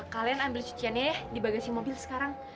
kalian ambil cuciannya ya di bagasi mobil sekarang